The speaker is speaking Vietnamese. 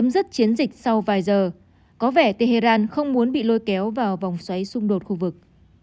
rất chiến dịch sau vài giờ có vẻ tehran không muốn bị lôi kéo vào vòng xoáy xung đột khu vực